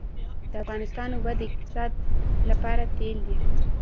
د افغانستان اوبه د اقتصاد لپاره تیل دي